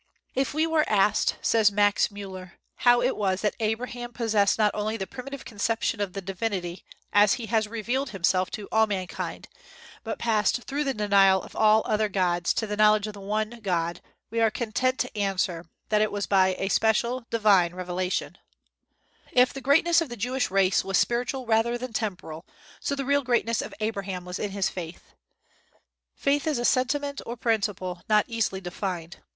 "If we were asked," says Max Müller, "how it was that Abraham possessed not only the primitive conception of the Divinity, as he has revealed himself to all mankind, but passed, through the denial of all other gods, to the knowledge of the One God, we are content to answer that it was by a special divine revelation." [Footnote 1: Chips from a German Workshop, vol. i. p. 372.] If the greatness of the Jewish race was spiritual rather than temporal, so the real greatness of Abraham was in his faith. Faith is a sentiment or a principle not easily defined.